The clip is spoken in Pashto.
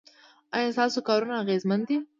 ایا ستاسو کارونه اغیزمن دي؟